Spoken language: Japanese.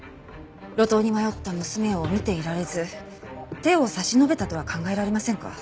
路頭に迷った娘を見ていられず手を差し伸べたとは考えられませんか？